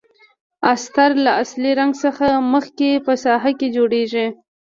استر له اصلي رنګ څخه مخکې په ساحه کې جوړیږي.